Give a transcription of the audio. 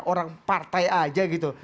orang partai aja gitu